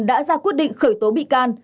đã ra quyết định khởi tố bị can